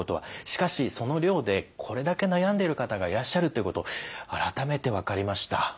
しかしその量でこれだけ悩んでいる方がいらっしゃるということ改めて分かりました。